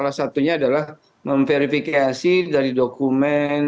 salah satunya adalah memverifikasi dari dokumen